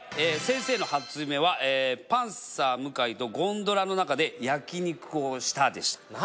先生の初夢は「パンサー向井とゴンドラの中で焼肉をした」でした。